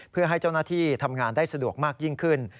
เพื่อให้เจ้าหน้าที่ทำงานได้สะดวกมากยิ่งขึ้น